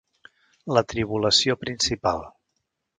La tribulació principal.